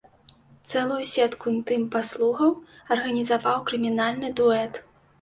Цэлую сетку інтым-паслугаў арганізаваў крымінальны дуэт.